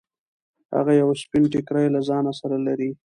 هغه یو سپین ټیکری له ځان سره لري.